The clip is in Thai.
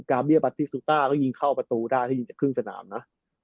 เบียบัตติสุต้าก็ยิงเข้าประตูได้ถ้ายิงจากครึ่งสนามนะ